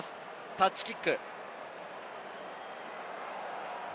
タッチキック。